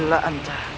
tidak salah lagi